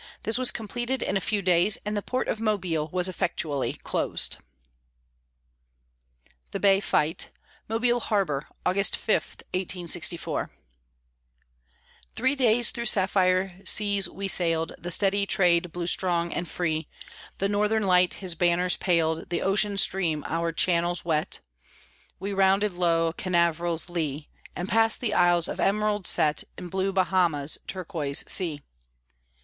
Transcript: This was completed in a few days and the port of Mobile was effectually closed. THE BAY FIGHT (MOBILE HARBOR, August 5, 1864) Three days through sapphire seas we sailed, The steady Trade blew strong and free, The Northern Light his banners paled, The Ocean Stream our channels wet, We rounded low Canaveral's lee, And passed the isles of emerald set In blue Bahama's turquoise sea.